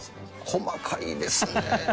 細かいですね。